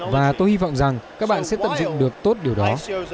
và tôi hy vọng rằng các bạn sẽ tận dụng được tốt điều đó